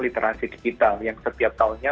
literasi digital yang setiap tahunnya